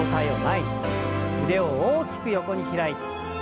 腕を大きく横に開いて。